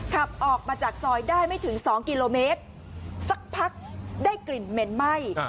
ขับออกมาจากซอยได้ไม่ถึง๒กิโลเมตรสักพักได้กลิ่นเหม็นไหม้